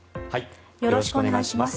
よろしくお願いします。